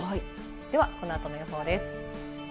ではこの後の予報です。